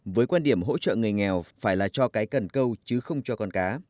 với quan điểm hỗ trợ người nghèo phải là cho cái cần câu chứ không cho con cá